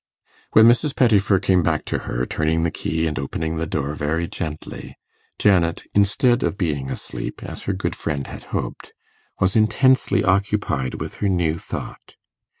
When Mrs. Pettifer came back to her, turning the key and opening the door very gently, Janet, instead of being asleep, as her good friend had hoped, was intensely occupied with her new thought.